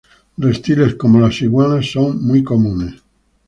Reptiles como las iguanas son muy comunes.